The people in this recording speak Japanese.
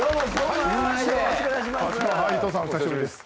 伊藤さんお久しぶりです。